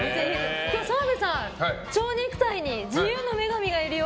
澤部さん、蝶ネクタイに自由の女神がいるよ。